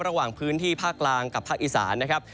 ระหว่างพื้นที่ภาคกลางกับภาคอีสานนะครับ